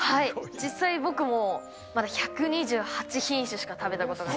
実際、僕もまず１２８品種しか食べたことがない。